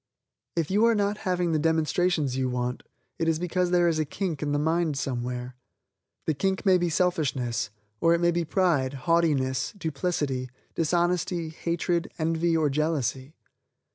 If you are not having the demonstrations you want, it is because there is a kink in the mind somewhere. The kink may be selfishness, or it may be pride, haughtiness, duplicity, dishonesty, hatred, envy or jealousy.